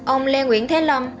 ông lê nguyễn thế lâm